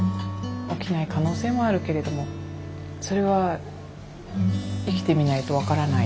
起きない可能性もあるけれどもそれは生きてみないと分からない。